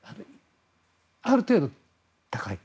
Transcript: ある程度、高い。